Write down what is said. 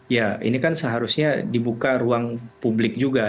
ya ini kan seharusnya dibuka ruang publik juga